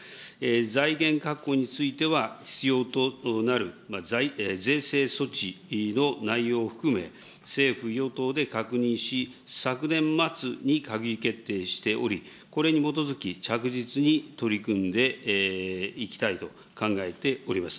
財源確保については、必要となる税制措置の内容を含め、政府・与党で確認し、昨年末に閣議決定しており、これに基づき、着実に取り組んでいきたいと考えております。